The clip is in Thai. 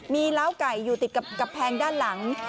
มีล้าวไก่อยู่ติดกับกำแพงด้านหลัง